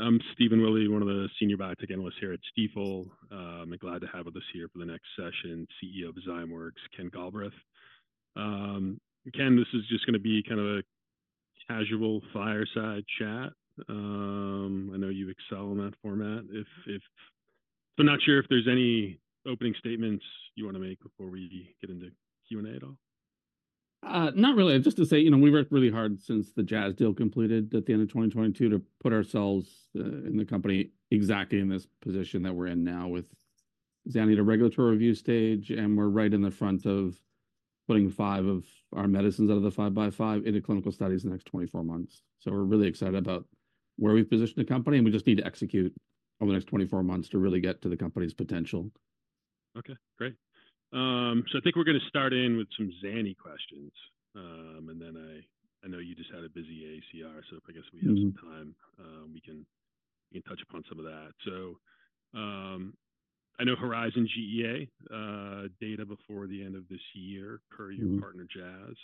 All right, I'm Stephen Willey, one of the senior biotech analysts here at Stifel. I'm glad to have with us here for the next session, CEO of Zymeworks Ken Galbraith. Ken, this is just going to be kind of a casual fireside chat. I know you excel in that format. I'm not sure if there's any opening statements you want to make before we get into Q&A at all? Not really. Just to say, we worked really hard since the Jazz deal completed at the end of 2022 to put ourselves in the company exactly in this position that we're in now with Zyme at a regulatory review stage, and we're right in the front of putting five of our medicines out of the five by five into clinical studies in the next 24 months. So we're really excited about where we've positioned the company, and we just need to execute over the next 24 months to really get to the company's potential. Okay, great. So I think we're going to start in with some Zyme questions, and then I know you just had a busy AACR, so if I guess we have some time, we can touch upon some of that. So I know HERIZON-GEA data before the end of this year per your partner Jazz.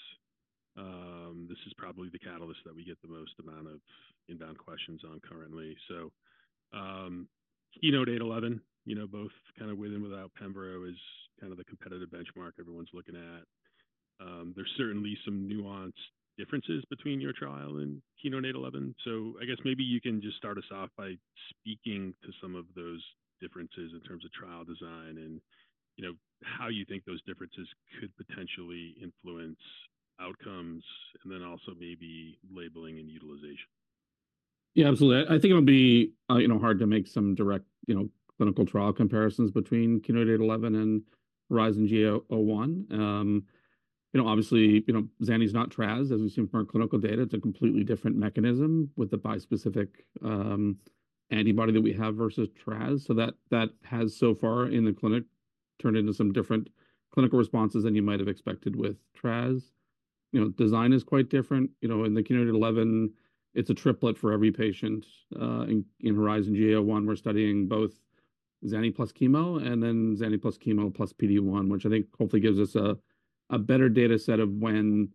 This is probably the catalyst that we get the most amount of inbound questions on currently. So KEYNOTE-811, both kind of with and without Pembro is kind of the competitive benchmark everyone's looking at. There's certainly some nuanced differences between your trial and KEYNOTE-811. So I guess maybe you can just start us off by speaking to some of those differences in terms of trial design and how you think those differences could potentially influence outcomes, and then also maybe labeling and utilization. Yeah, absolutely. I think it would be hard to make some direct clinical trial comparisons between KEYNOTE-811 and HERIZON-GEA-01. Obviously, Zyme is not Traz. As we've seen from our clinical data, it's a completely different mechanism with the bispecific antibody that we have versus Traz. So that has so far in the clinic turned into some different clinical responses than you might have expected with Traz. Design is quite different. In the KEYNOTE-811, it's a triplet for every patient. In HERIZON-GEA-01, we're studying both Zyme plus chemo and then Zyme plus chemo plus PD-1, which I think hopefully gives us a better data set of when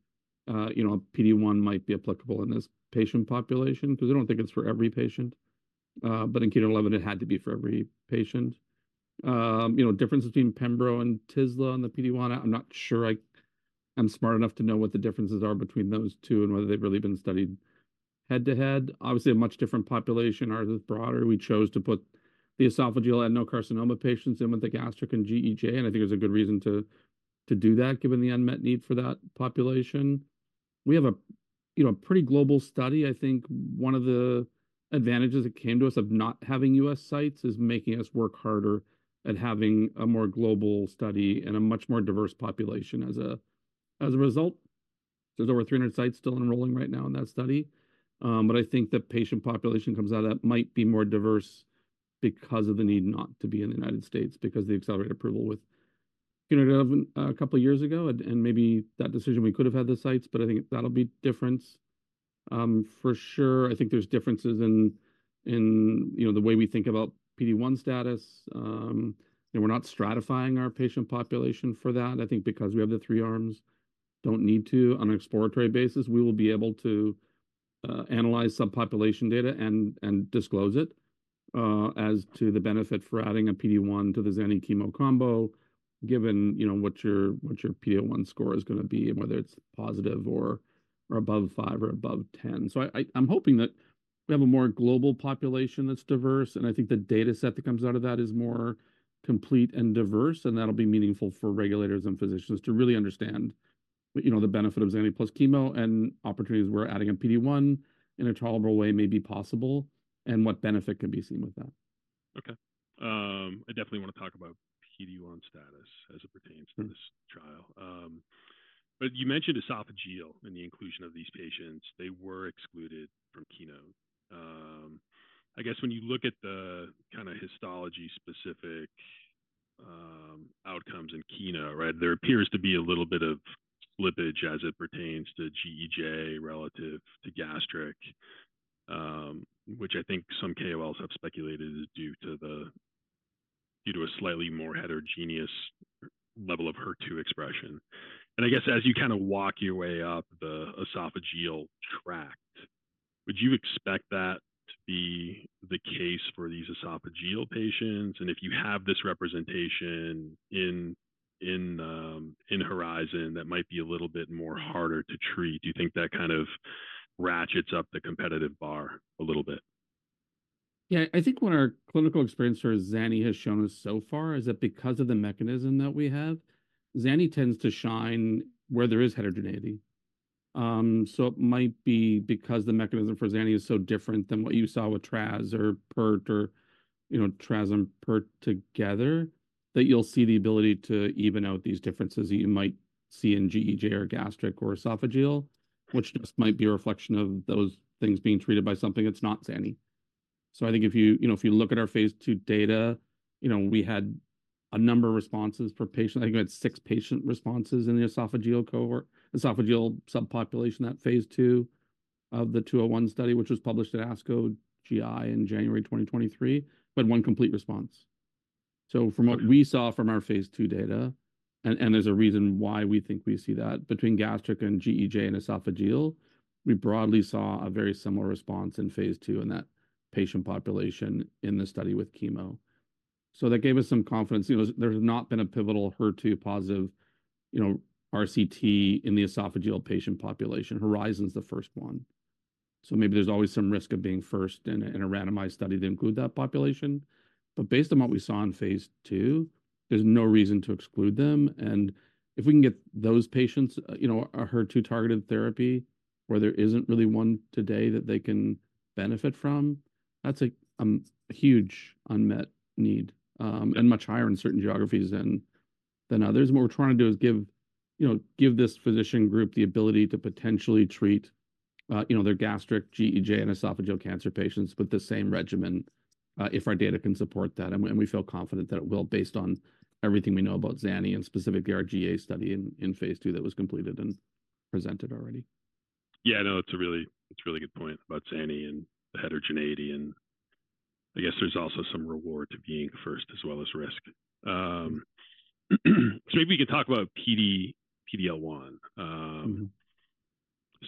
PD-1 might be applicable in this patient population because I don't think it's for every patient. But in KEYNOTE-811, it had to be for every patient. Difference between Pembro and Tisla on the PD-1, I'm not sure I'm smart enough to know what the differences are between those two and whether they've really been studied head to head. Obviously, a much different population; ours is broader. We chose to put the esophageal adenocarcinoma patients in with the gastric and GEJ, and I think there's a good reason to do that given the unmet need for that population. We have a pretty global study. I think one of the advantages that came to us of not having U.S. sites is making us work harder at having a more global study and a much more diverse population as a result. There's over 300 sites still enrolling right now in that study. But I think the patient population comes out of that might be more diverse because of the need not to be in the United States because of the accelerated approval with KEYNOTE-811 a couple of years ago, and maybe that decision we could have had the sites, but I think that'll be different for sure. I think there's differences in the way we think about PD-1 status. We're not stratifying our patient population for that. I think because we have the three arms, we don't need to on an exploratory basis, we will be able to analyze subpopulation data and disclose it as to the benefit for adding a PD-1 to the Zyme chemo combo given what your PD-1 score is going to be and whether it's positive or above five or above 10. So I'm hoping that we have a more global population that's diverse, and I think the data set that comes out of that is more complete and diverse, and that'll be meaningful for regulators and physicians to really understand the benefit of Zyme plus chemo and opportunities where adding a PD-1 in a tolerable way may be possible and what benefit can be seen with that. Okay. I definitely want to talk about PD-1 status as it pertains to this trial. But you mentioned esophageal and the inclusion of these patients. They were excluded from KEYNOTE. When you look at the kind of histology-specific outcomes in KEYNOTE, right, there appears to be a little bit of slippage as it pertains to GEJ relative to gastric, which I think some KOLs have speculated is due to a slightly more heterogeneous level of HER2 expression. And I guess as you kind of walk your way up the esophageal tract, would you expect that to be the case for these esophageal patients? And if you have this representation in Horizon, that might be a little bit more harder to treat. Do you think that kind of ratchets up the competitive bar a little bit? Yeah, I think what our clinical experience for Zyme has shown us so far is that because of the mechanism that we have, Zyme tends to shine where there is heterogeneity. So it might be because the mechanism for Zyme is so different than what you saw with Traz or Pert or Traz and Pert together that you'll see the ability to even out these differences that you might see in GEJ or gastric or esophageal, which just might be a reflection of those things being treated by something that's not Zyme. So I think if you look at our phase II data, we had a number of responses per patient. I think we had six patient responses in the esophageal cohort, esophageal subpopulation at phase II of the 201 study, which was published at ASCO GI in January 2023, but one complete response. So from what we saw from our phase II data, and there's a reason why we think we see that between gastric and GEJ and esophageal, we broadly saw a very similar response in phase II in that patient population in the study with chemo. So that gave us some confidence. There's not been a pivotal HER2 positive RCT in the esophageal patient population. HERIZON's the first one. So maybe there's always some risk of being first in a randomized study to include that population. But based on what we saw in phase II, there's no reason to exclude them. And if we can get those patients a HER2 targeted therapy where there isn't really one today that they can benefit from, that's a huge unmet need and much higher in certain geographies than others. What we're trying to do is give this physician group the ability to potentially treat their gastric, GEJ, and esophageal cancer patients with the same regimen if our data can support that. We feel confident that it will based on everything we know about Zyme and specifically our GEA study in phase II that was completed and presented already. Yeah, no, that's a really good point about Zyme and the heterogeneity. And I guess there's also some reward to being first as well as risk. So maybe we could talk about PD-L1.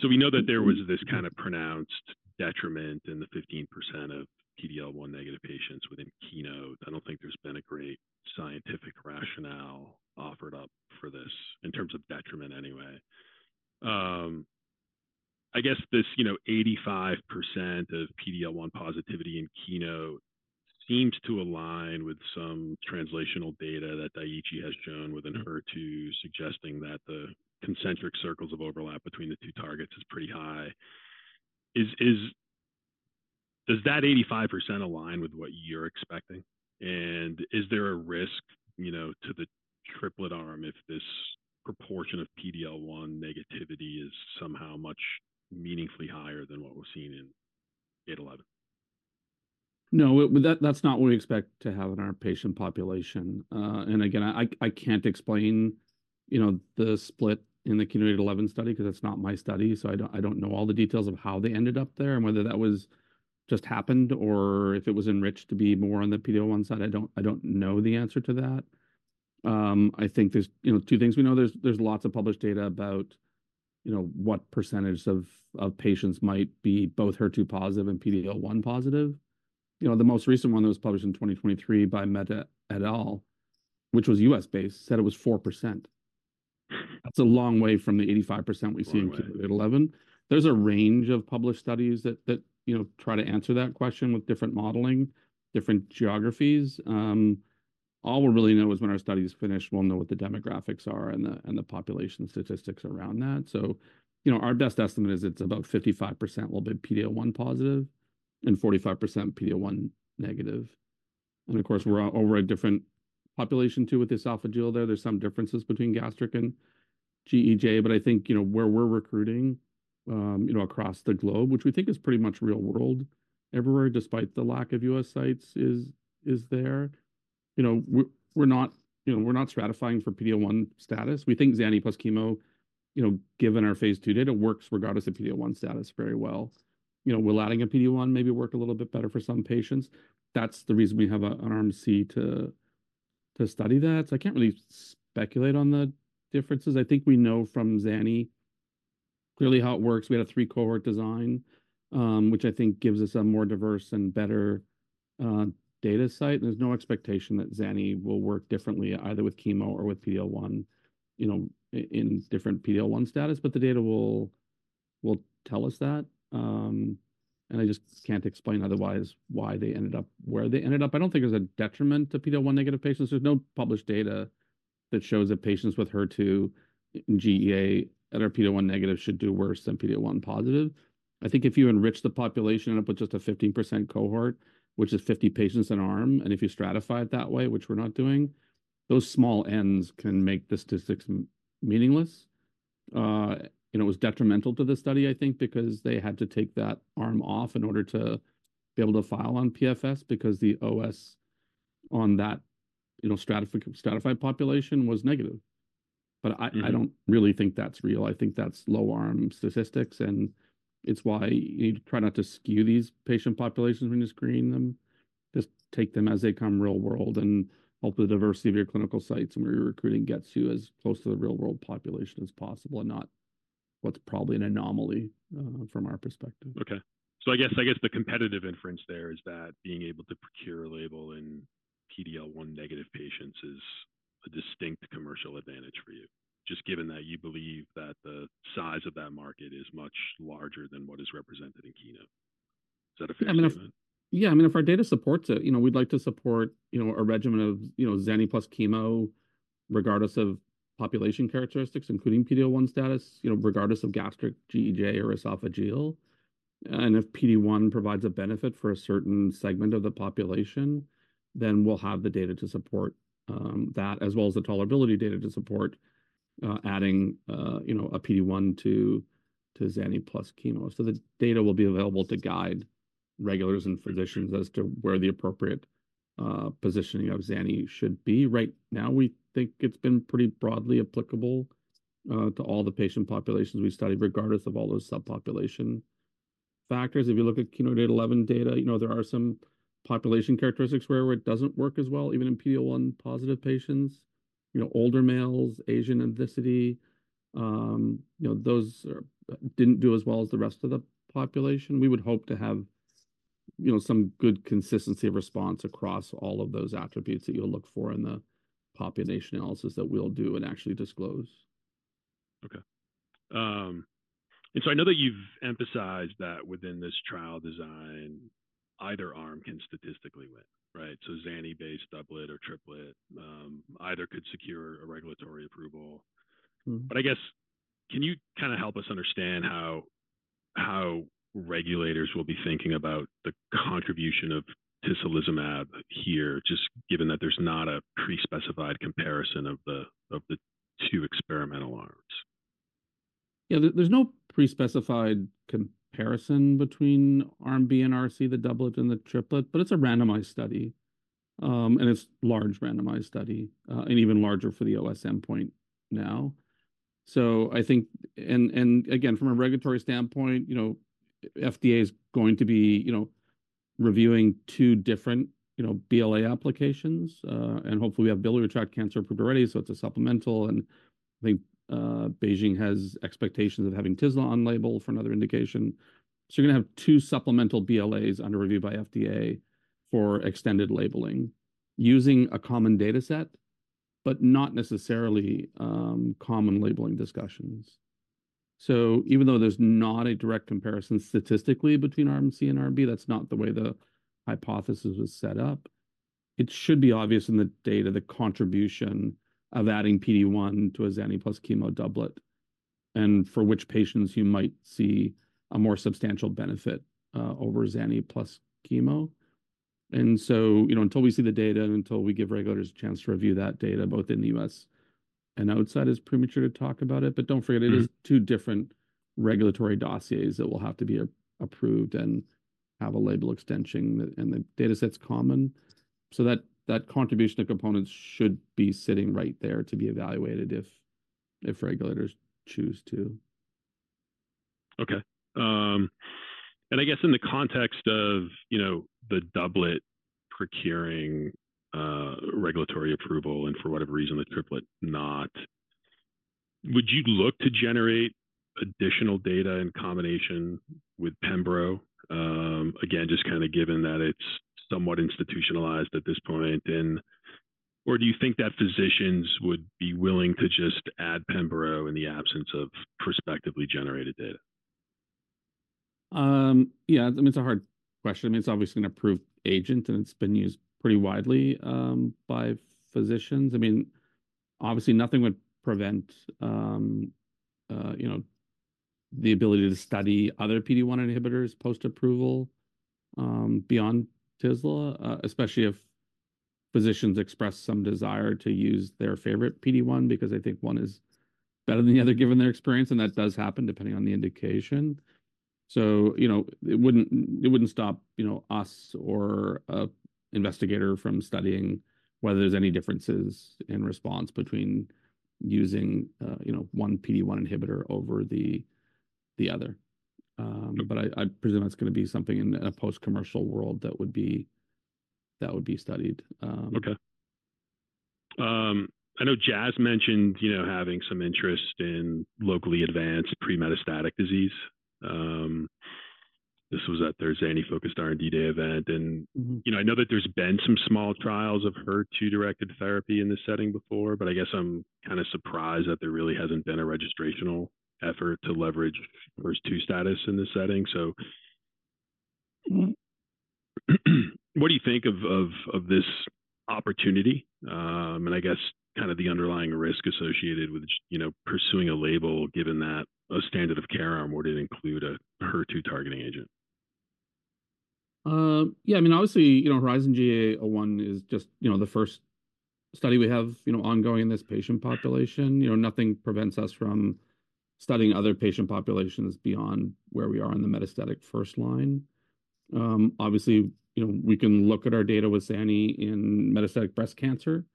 So we know that there was this kind of pronounced detriment in the 15% of PD-L1 negative patients within KEYNOTE. I don't think there's been a great scientific rationale offered up for this in terms of detriment anyway. This 85% of PD-L1 positivity in KEYNOTE seems to align with some translational data that Daiichi has shown within HER2 suggesting that the concentric circles of overlap between the two targets is pretty high. Does that 85% align with what you're expecting? And is there a risk to the triplet arm if this proportion of PD-L1 negativity is somehow much meaningfully higher than what we've seen in 811? No, that's not what we expect to have in our patient population. Again, I can't explain the split in the KEYNOTE-811 study because it's not my study. I don't know all the details of how they ended up there and whether that just happened or if it was enriched to be more on the PD-L1 side. I don't know the answer to that. I think there's two things we know. There's lots of published data about what percentage of patients might be both HER2 positive and PD-L1 positive. The most recent one that was published in 2023 by Meta et al., which was U.S.-based, said it was 4%. That's a long way from the 85% we see in KEYNOTE-811. There's a range of published studies that try to answer that question with different modeling, different geographies. All we'll really know is when our studies finish, we'll know what the demographics are and the population statistics around that. So our best estimate is it's about 55% will be PD-L1 positive and 45% PD-L1 negative. Of course, we're over a different population too with the esophageal there. There's some differences between gastric and GEJ. But I think where we're recruiting across the globe, which we think is pretty much real world everywhere, despite the lack of U.S. sites is there. We're not stratifying for PD-L1 status. We think Zyme plus chemo, given our phase II data, works regardless of PD-L1 status very well. Will adding a PD-L1 maybe work a little bit better for some patients? That's the reason we have an arm C to study that. So I can't really speculate on the differences. I think we know from Zyme clearly how it works. We had a three-cohort design, which I think gives us a more diverse and better data site. There's no expectation that Zyme will work differently either with chemo or with PD-L1 in different PD-L1 status, but the data will tell us that. I just can't explain otherwise why they ended up where they ended up. I don't think there's a detriment to PD-L1 negative patients. There's no published data that shows that patients with HER2 and GEA that are PD-L1 negative should do worse than PD-L1 positive. I think if you enrich the population end up with just a 15% cohort, which is 50 patients an arm, and if you stratify it that way, which we're not doing, those small Ns can make the statistics meaningless. It was detrimental to the study, I think, because they had to take that arm off in order to be able to file on PFS because the OS on that stratified population was negative. But I don't really think that's real. I think that's low-arm statistics, and it's why you need to try not to skew these patient populations when you're screening them. Just take them as they come real world, and hopefully the diversity of your clinical sites and where you're recruiting gets you as close to the real world population as possible and not what's probably an anomaly from our perspective. Okay. So the competitive inference there is that being able to procure a label in PD-L1 negative patients is a distinct commercial advantage for you, just given that you believe that the size of that market is much larger than what is represented in KEYNOTE. Is that a fair statement? Yeah. I mean, if our data supports it, we'd like to support a regimen of Zyme plus chemo regardless of population characteristics, including PD-L1 status, regardless of gastric, GEJ, or esophageal. And if PD-L1 provides a benefit for a certain segment of the population, then we'll have the data to support that as well as the tolerability data to support adding a PD-L1 to Zyme plus chemo. So the data will be available to guide regulators and physicians as to where the appropriate positioning of Zyme should be. Right now, we think it's been pretty broadly applicable to all the patient populations we study regardless of all those subpopulation factors. If you look at KEYNOTE-811 data, there are some population characteristics where it doesn't work as well, even in PD-L1 positive patients. Older males, Asian ethnicity, those didn't do as well as the rest of the population. We would hope to have some good consistency of response across all of those attributes that you'll look for in the population analysis that we'll do and actually disclose. Okay. And so I know that you've emphasized that within this trial design, either arm can statistically win, right? So Zyme-based doublet or triplet either could secure a regulatory approval. But can you kind of help us understand how regulators will be thinking about the contribution of tislelizumab here, just given that there's not a pre-specified comparison of the two experimental arms? Yeah, there's no pre-specified comparison between arm B and arm C, the doublet and the triplet, but it's a randomized study. And it's a large randomized study and even larger for the OS endpoint now. So I think, and again, from a regulatory standpoint, FDA is going to be reviewing two different BLA applications. And hopefully, we have biliary tract cancer approved already, so it's a supplemental. And I think BeiGene has expectations of having Tisla on label for another indication. So you're going to have two supplemental BLAs under review by FDA for extended labeling using a common data set, but not necessarily common labeling discussions. So even though there's not a direct comparison statistically between arm C and arm B, that's not the way the hypothesis was set up. It should be obvious in the data the contribution of adding PD-L1 to a Zyme plus chemo doublet and for which patients you might see a more substantial benefit over Zyme plus chemo. And so until we see the data and until we give regulators a chance to review that data, both in the U.S. and outside, it's premature to talk about it. But don't forget, it is two different regulatory dossiers that will have to be approved and have a label extension and the data set's common. So that contribution of components should be sitting right there to be evaluated if regulators choose to. Okay. And in the context of the doublet procuring regulatory approval and for whatever reason the triplet not, would you look to generate additional data in combination with Pembro, again, just kind of given that it's somewhat institutionalized at this point or do you think that physicians would be willing to just add Pembro in the absence of prospectively generated data? Yeah, I mean, it's a hard question. I mean, it's obviously an approved agent, and it's been used pretty widely by physicians. I mean, obviously, nothing would prevent the ability to study other PD-L1 inhibitors post-approval beyond Tisla, especially if physicians express some desire to use their favorite PD-L1 because they think one is better than the other given their experience. And that does happen depending on the indication. So it wouldn't stop us or an investigator from studying whether there's any differences in response between using one PD-L1 inhibitor over the other. But I presume that's going to be something in a post-commercial world that would be studied. Okay. I know Jazz mentioned having some interest in locally advanced pre-metastatic disease. This was at their Zyme-focused R&D day event. I know that there's been some small trials of HER2-directed therapy in this setting before, but I'm kind of surprised that there really hasn't been a registrational effort to leverage HER2 status in this setting. So what do you think of this opportunity and I guess kind of the underlying risk associated with pursuing a label given that a standard of care arm wouldn't include a HER2 targeting agent? Yeah, I mean, obviously, HERIZON-GEA-01 is just the first study we have ongoing in this patient population. Nothing prevents us from studying other patient populations beyond where we are in the metastatic first line. Obviously, we can look at our data with Zyme in metastatic breast cancer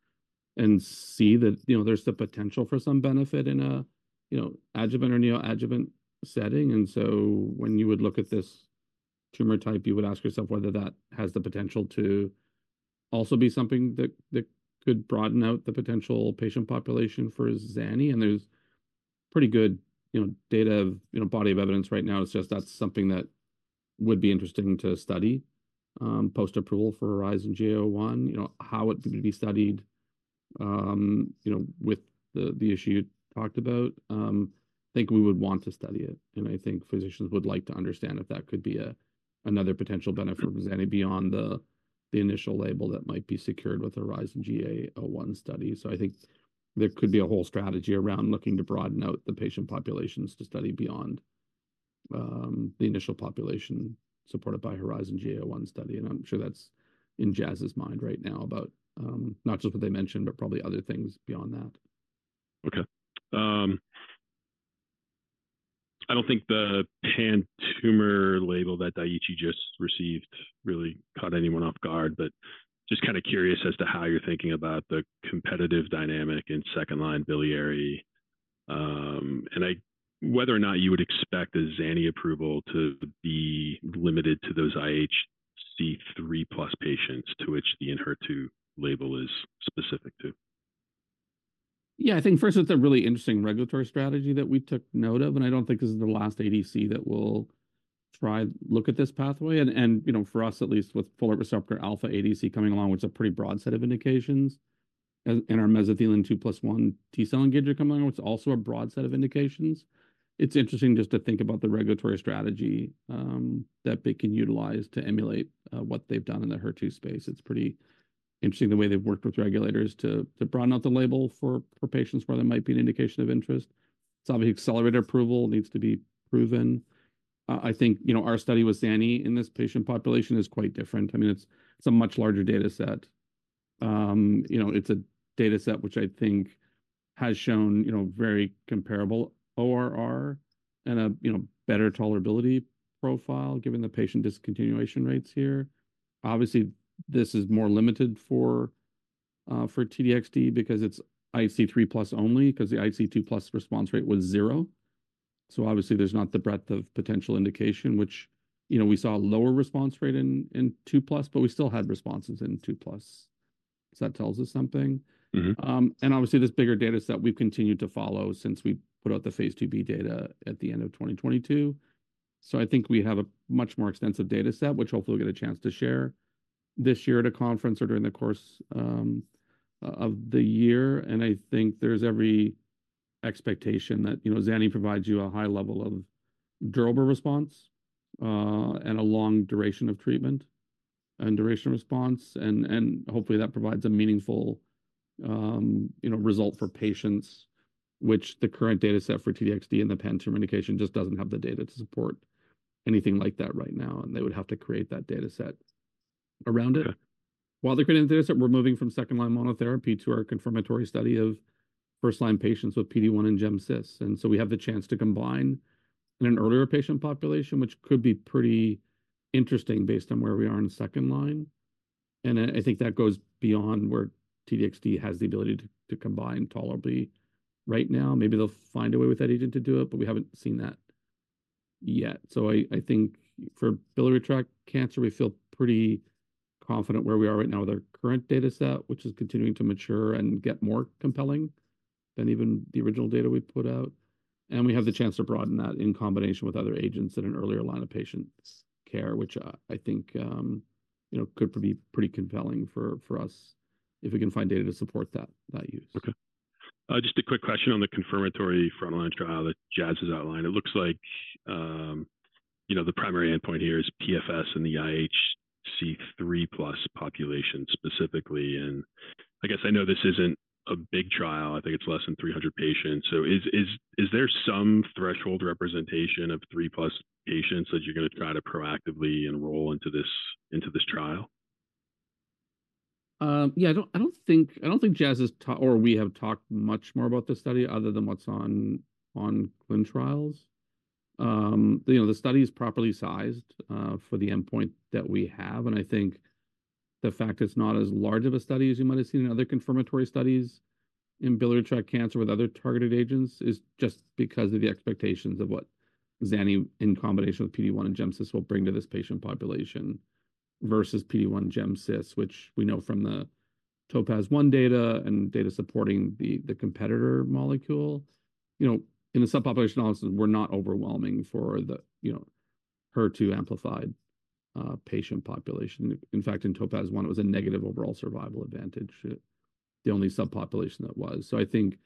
and see that there's the potential for some benefit in an adjuvant or neoadjuvant setting. And so when you would look at this tumor type, you would ask yourself whether that has the potential to also be something that could broaden out the potential patient population for Zyme. And there's pretty good data body of evidence right now. It's just that's something that would be interesting to study post-approval for HERIZON-GEA-01, how it would be studied with the issue you talked about. I think we would want to study it. I think physicians would like to understand if that could be another potential benefit from Zyme beyond the initial label that might be secured with Horizon GEA-01 study. So I think there could be a whole strategy around looking to broaden out the patient populations to study beyond the initial population supported by Horizon GEA-01 study. And I'm sure that's in Jazz's mind right now about not just what they mentioned, but probably other things beyond that. Okay. I don't think the pan-tumor label that Daiichi just received really caught anyone off guard, but just kind of curious as to how you're thinking about the competitive dynamic in second-line biliary. And whether or not you would expect a Zyme approval to be limited to those IHC3+ patients to which the Enhertu label is specific to. Yeah, I think first, it's a really interesting regulatory strategy that we took note of. And I don't think this is the last ADC that will try to look at this pathway. And for us, at least with folate receptor alpha ADC coming along, which is a pretty broad set of indications, and our mesothelin 2+1 T-cell engager coming along, which is also a broad set of indications. It's interesting just to think about the regulatory strategy that they can utilize to emulate what they've done in the HER2 space. It's pretty interesting the way they've worked with regulators to broaden out the label for patients where there might be an indication of interest. It's obviously accelerated approval needs to be proven. I think our study with Zyme in this patient population is quite different. I mean, it's a much larger data set. It's a data set which I think has shown very comparable ORR and a better tolerability profile given the patient discontinuation rates here. Obviously, this is more limited for T-DXd because it's IHC3+ only because the IHC2+ response rate was zero. So obviously, there's not the breadth of potential indication, which we saw a lower response rate in 2+, but we still had responses in 2+. So that tells us something. And obviously, this bigger data set we've continued to follow since we put out the phase IIb data at the end of 2022. So I think we have a much more extensive data set, which hopefully we'll get a chance to share this year at a conference or during the course of the year. And I think there's every expectation that Zyme provides you a high level of durable response and a long duration of treatment and duration response. And hopefully, that provides a meaningful result for patients, which the current data set for T-DXd and the pan-tumor indication just doesn't have the data to support anything like that right now. And they would have to create that data set around it. While they're creating the data set, we're moving from second-line monotherapy to our confirmatory study of first-line patients with PD-L1 and GemCis. And so we have the chance to combine in an earlier patient population, which could be pretty interesting based on where we are in second line. And I think that goes beyond where T-DXd has the ability to combine tolerably right now. Maybe they'll find a way with that agent to do it, but we haven't seen that yet. I think for biliary tract cancer, we feel pretty confident where we are right now with our current data set, which is continuing to mature and get more compelling than even the original data we put out. We have the chance to broaden that in combination with other agents in an earlier line of patient care, which I think could be pretty compelling for us if we can find data to support that use. Okay. Just a quick question on the confirmatory frontline trial that Jazz has outlined. It looks like the primary endpoint here is PFS and the IHC3+ population specifically. I guess I know this isn't a big trial. I think it's less than 300 patients. Is there some threshold representation of 3+ patients that you're going to try to proactively enroll into this trial? Yeah, I don't think Jazz has or we have talked much more about this study other than what's on clinical trials. The study is properly sized for the endpoint that we have. And I think the fact it's not as large of a study as you might have seen in other confirmatory studies in biliary tract cancer with other targeted agents is just because of the expectations of what Zyme in combination with PD-L1 and GemCis will bring to this patient population versus PD-L1 GemCis, which we know from the TOPAZ-1 data and data supporting the competitor molecule. In the subpopulation analysis, we're not overwhelming for the HER2 amplified patient population. In fact, in TOPAZ-1, it was a negative overall survival advantage, the only subpopulation that was. So I think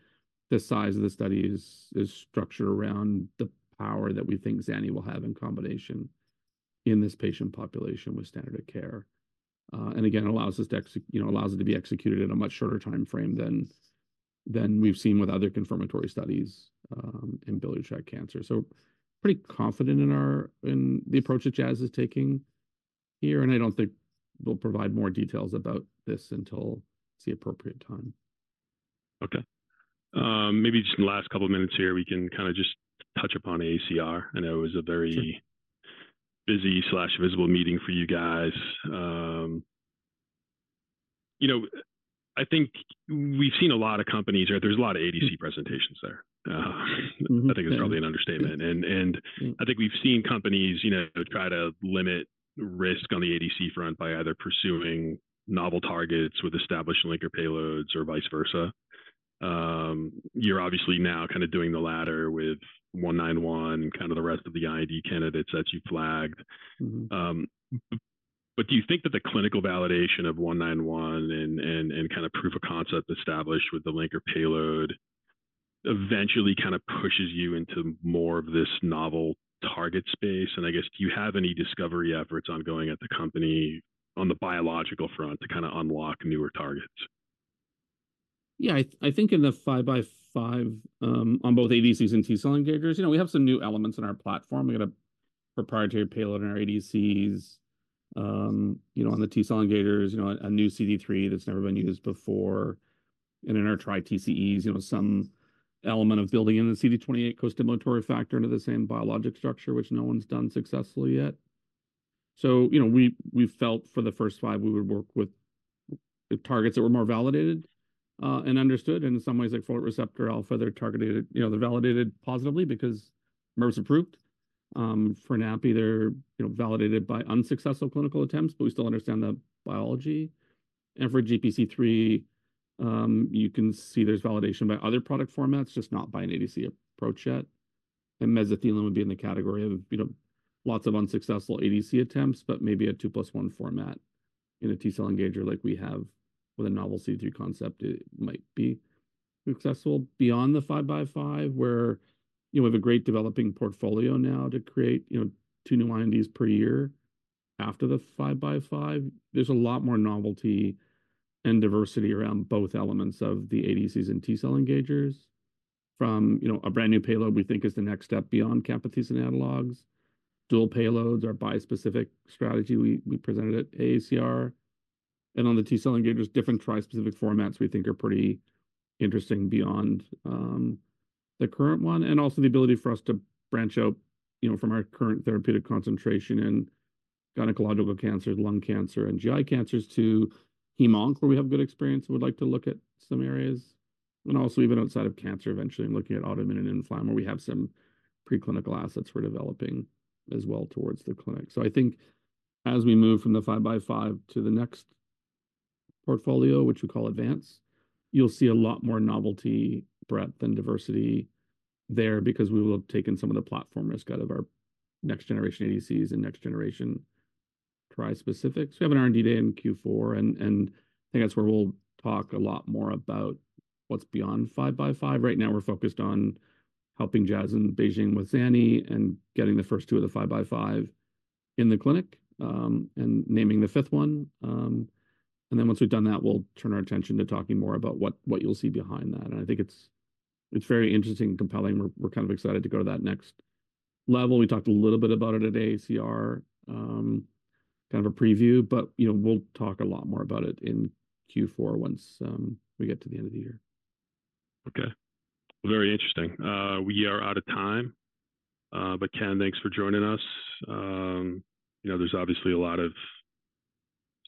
the size of the study is structured around the power that we think Zyme will have in combination in this patient population with standard of care. And again, it allows it to be executed in a much shorter time frame than we've seen with other confirmatory studies in biliary tract cancer. So pretty confident in the approach that Jazz is taking here. And I don't think we'll provide more details about this until the appropriate time. Okay. Maybe just in the last couple of minutes here, we can kind of just touch upon AACR. I know it was a very busy, visible meeting for you guys. I think we've seen a lot of companies or there's a lot of ADC presentations there. I think it's probably an understatement. And I think we've seen companies try to limit risk on the ADC front by either pursuing novel targets with established linker payloads or vice versa. You're obviously now kind of doing the latter with 191 and kind of the rest of the IND candidates that you flagged. But do you think that the clinical validation of 191 and kind of proof of concept established with the linker payload eventually kind of pushes you into more of this novel target space? Do you have any discovery efforts ongoing at the company on the biological front to kind of unlock newer targets? Yeah, I think in the 5x5 on both ADCs and T-cell engagers, we have some new elements in our platform. We got a proprietary payload in our ADCs on the T-cell engagers, a new CD3 that's never been used before. And in our tri-TCEs, some element of building in the CD28 costimulatory factor into the same biologic structure, which no one's done successfully yet. So we felt for the first five, we would work with targets that were more validated and understood. And in some ways, like folate receptor alpha, they're validated positively because Mirv's approved. For NaPi, they're validated by unsuccessful clinical attempts, but we still understand the biology. And for GPC3, you can see there's validation by other product formats, just not by an ADC approach yet. Mesothelin would be in the category of lots of unsuccessful ADC attempts, but maybe a 2+1 format in a T-cell engager like we have with a novel CD3 concept, it might be successful. Beyond the 5x5, where we have a great developing portfolio now to create two new INDs per year. After the 5x5, there's a lot more novelty and diversity around both elements of the ADCs and T-cell engagers from a brand new payload, we think is the next step beyond Camptothecin analogs. Dual payloads are a bispecific strategy we presented at AACR. And on the T-cell engagers, different tri-specific formats we think are pretty interesting beyond the current one. And also the ability for us to branch out from our current therapeutic concentration in gynecological cancers, lung cancer, and GI cancers to hem-onc, where we have good experience and would like to look at some areas. Also even outside of cancer, eventually looking at autoimmune and inflammation, where we have some preclinical assets we're developing as well towards the clinic. So I think as we move from the 5x5 to the next portfolio, which we call Advance, you'll see a lot more novelty, breadth, and diversity there because we will have taken some of the platform risk out of our next-generation ADCs and next-generation tri-specifics. We have an R&D day in Q4. And I think that's where we'll talk a lot more about what's beyond 5x5. Right now, we're focused on helping Jazz and BeiGene with Zyme and getting the first two of the 5x5 in the clinic and naming the fifth one. And then once we've done that, we'll turn our attention to talking more about what you'll see behind that. And I think it's very interesting and compelling. We're kind of excited to go to that next level. We talked a little bit about it at AACR, kind of a preview, but we'll talk a lot more about it in Q4 once we get to the end of the year. Okay. Very interesting. We are out of time. But Ken, thanks for joining us. There's obviously a lot of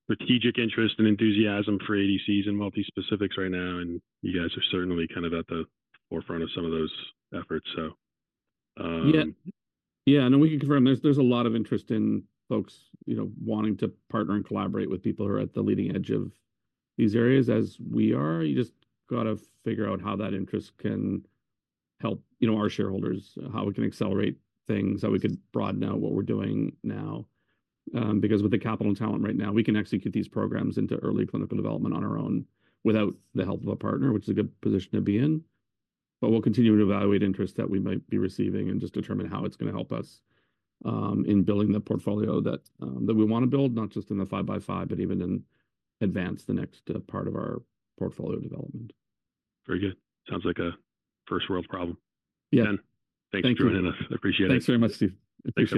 strategic interest and enthusiasm for ADCs and multi-specifics right now. And you guys are certainly kind of at the forefront of some of those efforts, so. Yeah. Yeah. Then we can confirm there's a lot of interest in folks wanting to partner and collaborate with people who are at the leading edge of these areas as we are. You just got to figure out how that interest can help our shareholders, how we can accelerate things, how we could broaden out what we're doing now. Because with the capital and talent right now, we can execute these programs into early clinical development on our own without the help of a partner, which is a good position to be in. But we'll continue to evaluate interest that we might be receiving and just determine how it's going to help us in building the portfolio that we want to build, not just in the 5x5, but even in Advance, the next part of our portfolio development. Very good. Sounds like a first-world problem. Yeah. Ken, thanks for joining us. Appreciate it. Thanks very much, Steve. Appreciate it.